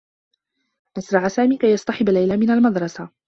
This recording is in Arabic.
أسرع سامي كي يصطحب ليلى من المدرسة.